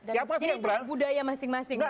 jadi budaya masing masing